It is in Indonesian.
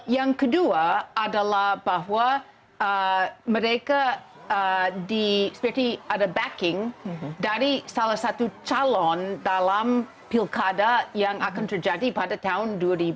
yang kedua adalah bahwa mereka seperti ada backing dari salah satu calon dalam pilkada yang akan terjadi pada tahun dua ribu dua puluh